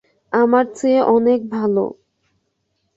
আমার চেয়ে অনেক ভালো।